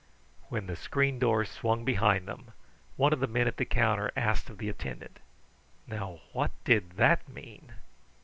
When the screen door swung behind them, one of the men at the counter asked of the attendant: "Now, what did that mean?"